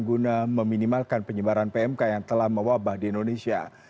guna meminimalkan penyebaran pmk yang telah mewabah di indonesia